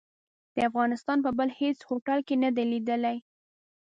د افغانستان په بل هيڅ هوټل کې نه دي ليدلي.